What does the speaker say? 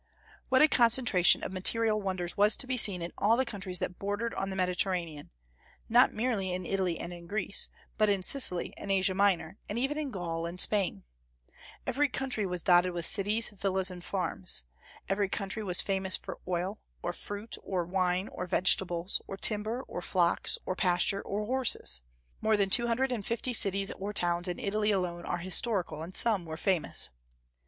What a concentration of material wonders was to be seen in all the countries that bordered on the Mediterranean, not merely in Italy and Greece, but in Sicily and Asia Minor, and even in Gaul and Spain! Every country was dotted with cities, villas, and farms. Every country was famous for oil, or fruit, or wine, or vegetables, or timber, or flocks, or pastures, or horses. More than two hundred and fifty cities or towns in Italy alone are historical, and some were famous.